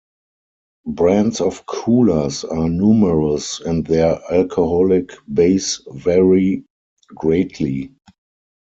Brands of coolers are numerous and their alcoholic base vary greatly.